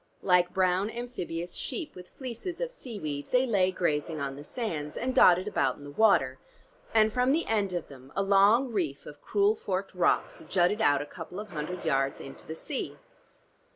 Like brown amphibious sheep with fleeces of seaweed they lay grazing on the sands, and dotted about in the water, and from the end of them a long reef of cruel forked rocks jutted out a couple of hundred yards into the sea.